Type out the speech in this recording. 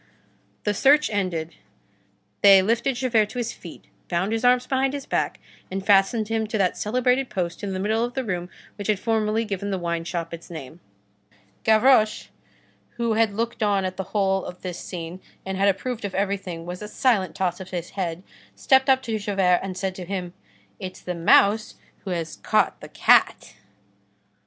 The search ended, they lifted Javert to his feet, bound his arms behind his back, and fastened him to that celebrated post in the middle of the room which had formerly given the wine shop its name. Gavroche, who had looked on at the whole of this scene and had approved of everything with a silent toss of his head, stepped up to Javert and said to him:— "It's the mouse who has caught the cat."